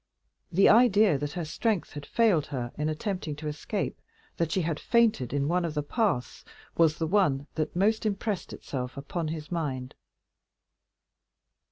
The idea that her strength had failed her in attempting to escape, and that she had fainted in one of the paths, was the one that most impressed itself upon his mind.